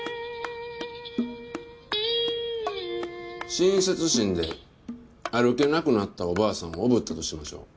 親切心で歩けなくなったおばあさんをおぶったとしましょう。